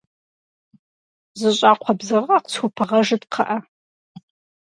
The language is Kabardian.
Зы щӏакхъуэ бзыгъэ къысхупыгъэжыт, кхъыӏэ.